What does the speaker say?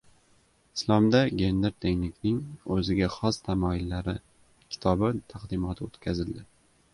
“Islomda gender tenglikning o‘ziga xos tamoyillari” kitobi taqdimoti o‘tkazildi